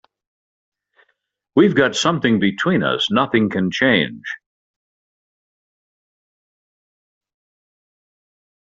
We've got something between us nothing can change.